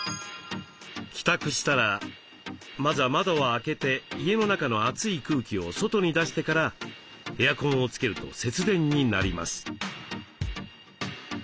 帰宅したらまずは窓を開けて家の中の暑い空気を外に出してからエアコンをつけると節電になります。